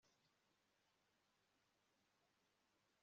waguze itike yo kuzenguruka